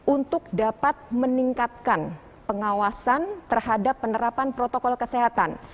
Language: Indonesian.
untuk dapat meningkatkan pengawasan terhadap penerapan protokol kesehatan